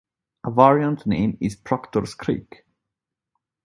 A variant name is "Proctors Creek".